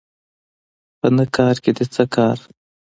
په نه کارکې دې څه کار